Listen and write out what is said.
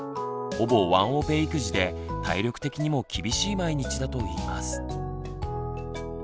ほぼワンオペ育児で体力的にも厳しい毎日だといいます。